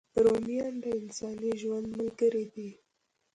رومیان د انساني ژوند ملګري دي